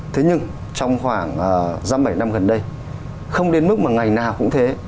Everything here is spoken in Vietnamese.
thế nhưng trong khoảng bảy năm gần đây không đến mức mà ngày nào cũng thế